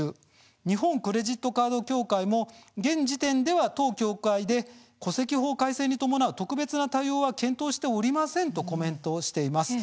日本クレジットカード協会も現時点では当協会で戸籍法改正に伴う特別な対応は検討しておりませんとコメントしています。